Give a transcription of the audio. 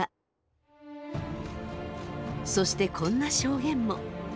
そしてこんな証言も。